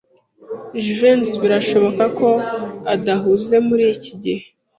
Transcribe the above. Jivency birashoboka ko adahuze muri iki gihe.